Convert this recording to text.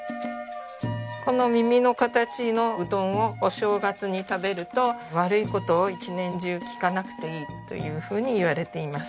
この耳の形のうどんをお正月に食べると悪い事を一年中聞かなくていいというふうにいわれています。